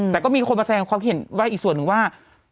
แต่ก็มีคนมาแสดงความเข็มเขี่ยนใบอีกส่วนคือว่า